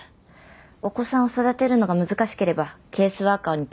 お子さんを育てるのが難しければケースワーカーに繋ぎます。